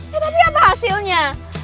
ya tapi apa hasilnya